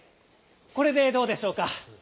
これでどうでしょうか？